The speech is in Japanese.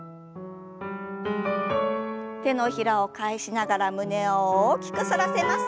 手のひらを返しながら胸を大きく反らせます。